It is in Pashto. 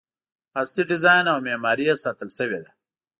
اصلي ډیزاین او معماري یې ساتل شوې ده.